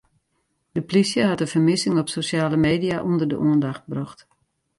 De polysje hat de fermissing op sosjale media ûnder de oandacht brocht.